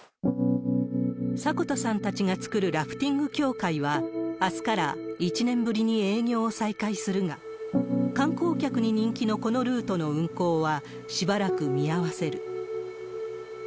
迫田さんたちが作るラフティング協会は、あすから１年ぶりに営業を再開するが、観光客に人気のこのルートの運航は、しばらく見合わせる。